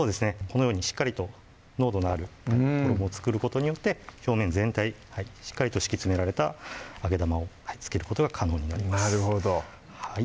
このようにしっかりと濃度のある衣を作ることによって表面全体しっかりと敷き詰められた揚げ玉を付けることが可能になります